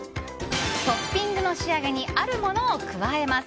トッピングの仕上げにあるものを加えます。